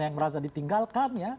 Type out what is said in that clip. yang merasa ditinggalkan